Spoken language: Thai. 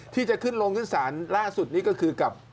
ที่จะขึ้นลงสารล่าสุดนี่ก็คือ